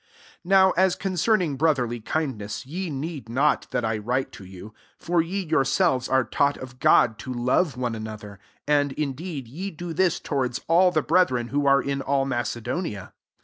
9 NOW as concerning bro therly kindness, ye need not that I write to you : for ye your selves are taught of God to love one another : 10 apd in deed ye do this towards all the brethren who are in all Mace donia.